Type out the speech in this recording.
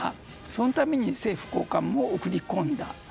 そのために政府高官も送り込んだ。